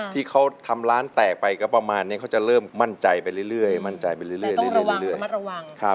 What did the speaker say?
ที่เขาทำร้านแตกไปก็ประมาณนี้เขาจะเริ่มมั่นใจไปเรื่อยแต่ต้องระวังต้องระวัง